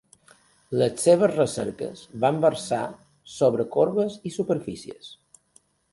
Les seves recerques van versar sobre corbes i superfícies.